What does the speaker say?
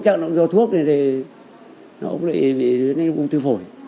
chắc là hút thuốc thì ông lại bị hút hút thuốc phổi